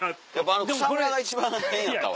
あの草むらが一番変やったわ。